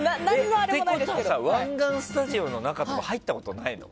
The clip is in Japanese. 湾岸スタジオの中とか入ったことないの？